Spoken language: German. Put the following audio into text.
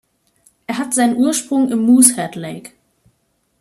Er hat seinen Ursprung im Moosehead Lake.